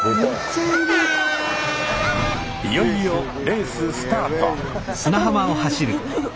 いよいよレーススタート！